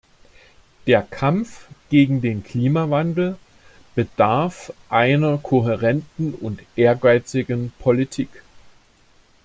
Der Kampf gegen den Klimawandel bedarf einer kohärenten und ehrgeizigen Politik.